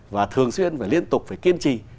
và thường xuyên phải liên tục phải kiên trì